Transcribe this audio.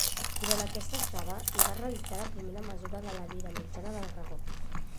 Durant aquesta estada, hi va realitzar la primera mesura de la vida mitjana del radó.